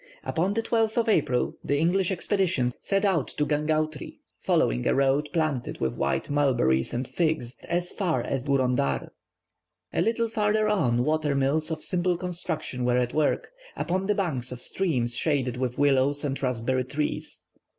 Upon the 12th of April the English expedition set out for Gangautri, following a road planted with white mulberries and figs, as far as Gourondar. A little farther on water mills of simple construction were at work, upon the banks of streams shaded with willows and raspberry trees.